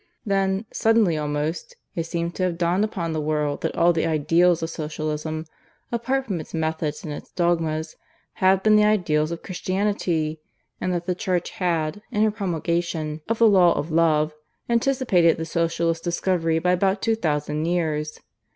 "Then, suddenly almost, it seems to have dawned upon the world that all the ideals of Socialism (apart from its methods and its dogmas) had been the ideals of Christianity; and that the Church had, in her promulgation of the Law of Love, anticipated the Socialist's discovery by about two thousand years.